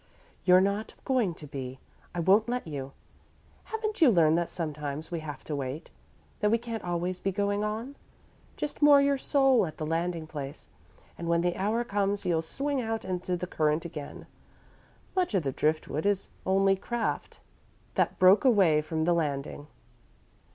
"You're not going to be I won't let you. Haven't you learned that sometimes we have to wait; that we can't always be going on? Just moor your soul at the landing place, and when the hour comes, you'll swing out into the current again. Much of the driftwood is only craft that broke away from the landing."